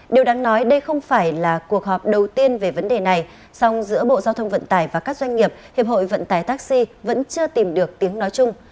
điều đáng nói đây không phải là cuộc họp đầu tiên về vấn đề này song giữa bộ giao thông vận tải và các doanh nghiệp hiệp hội vận tải taxi vẫn chưa tìm được tiếng nói chung